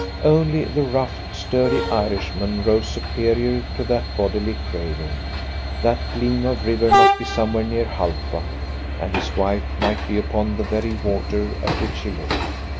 Only the rough, sturdy Irishman rose superior to that bodily craving. That gleam of river must be somewhere near Halfa, and his wife might be upon the very water at which he looked.